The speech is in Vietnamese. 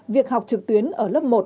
việc học trực tuyến ở lớp một